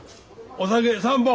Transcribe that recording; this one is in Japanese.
お酒３本！